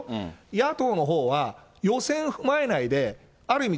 野党のほうは、予選踏まえないである意味